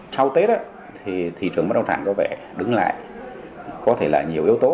sau tết thì thị trường bất động sản có vẻ đứng lại có thể là nhiều yếu tố